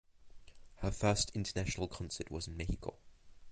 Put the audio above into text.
Her first international concert was in Mexico.